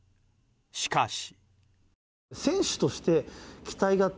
しかし。